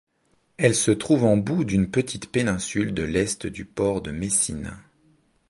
Elle se trouve en bout d'une petite péninsule de l'est du port de Messine.